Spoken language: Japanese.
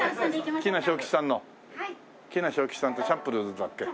喜納昌吉さんとチャンプルーズだっけ？